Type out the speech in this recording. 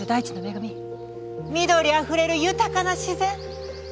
緑あふれる豊かな自然。